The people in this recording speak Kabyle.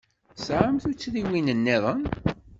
Tesɛamt tuttriwin-nniḍen?